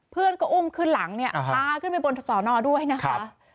เพื่อนก็อุ้มขึ้นหลังเนี่ยพาขึ้นไปบนสอนอด้วยนะคะ